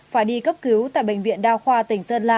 phải đi cấp cứu tại bệnh viện đa khoa tỉnh sơn la